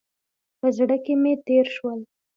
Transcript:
په زړه کې مې تېر شول.